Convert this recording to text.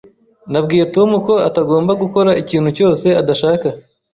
Nabwiye Tom ko atagomba gukora ikintu cyose adashaka.